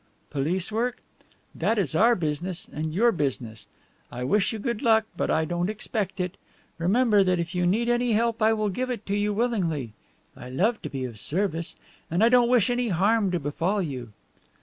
Police work? That is our business and your business. I wish you good luck, but I don't expect it. Remember that if you need any help I will give it you willingly. I love to be of service. And I don't wish any harm to befall you."